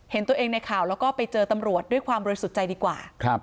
เห็นตัวเองในข่าวแล้วก็ไปเจอตำรวจด้วยความบริสุทธิ์ใจดีกว่า